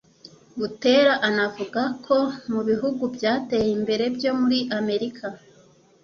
Butera anavuga ko mu bihugu byateye imbere byo muri Amerika